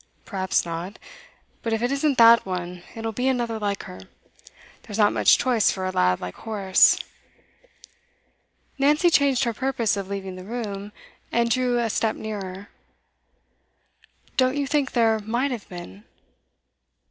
'Perhaps not. But if it isn't that one, it'll be another like her. There's not much choice for a lad like Horace.' Nancy changed her purpose of leaving the room, and drew a step nearer. 'Don't you think there might have been?